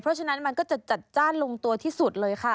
เพราะฉะนั้นมันก็จะจัดจ้านลงตัวที่สุดเลยค่ะ